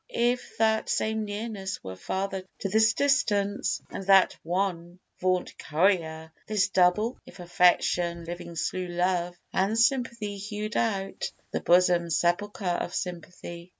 if that same nearness Were father to this distance, and that one Vauntcourier this double? If affection Living slew Love, and Sympathy hew'd out The bosom sepulchre of Sympathy.